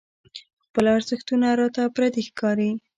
خپل ارزښتونه راته پردي ښکاري.